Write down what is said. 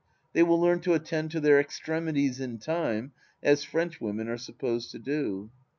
They will learn to attend to their extremities in time, as Frenchwomen are supposed to do.